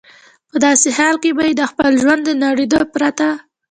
په داسې حال کې به یې د خپل ژوند د نړېدو پرته.